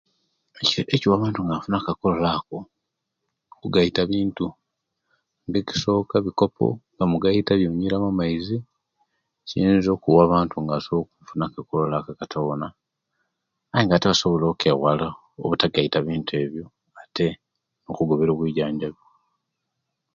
Ekiwa abantu nga bafuna akakoolo ako kugaita bintu ekisoka ebikopo nga mugaita ebimunyuiramu amaizi kiyinza okuwa abantu nga bafuna okakoolo ako tikakoma aye ate nga basobola okewala ogaita ebintu ebiyo ate nokugoberera obwijanjabi